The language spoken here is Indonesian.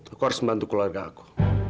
aku harus membantu keluarga aku